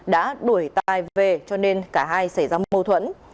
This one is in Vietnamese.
đã đuổi tài về cho nên cả hai xảy ra mâu thuẫn